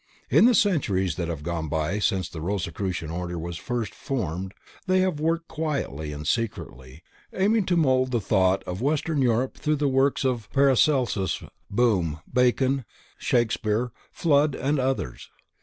In the centuries that have gone by since the Rosicrucian Order was first formed they have worked quietly and secretly, aiming to mould the thought of Western Europe through the works of Paracelsus, Boehme, Bacon, Shakespeare, Fludd and others.